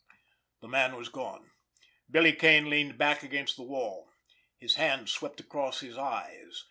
The man was gone. Billy Kane leaned back against the wall. His hand swept across his eyes.